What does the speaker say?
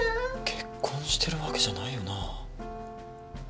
結婚してるわけじゃないよなぁ？